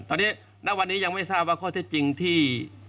ตอนนี้ณวันนี้ยังไม่ทราบว่าข้อเท็จจริงที่